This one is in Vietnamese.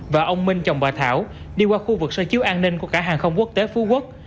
và ông minh chồng bà thảo đi qua khu vực sơ chiếu an ninh của cả hàng không quốc tế phú quốc